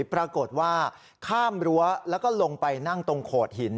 ปรากฏว่าข้ามรั้วแล้วก็ลงไปนั่งตรงโขดหิน